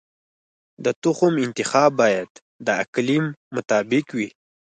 د تخم انتخاب باید د اقلیم مطابق وي.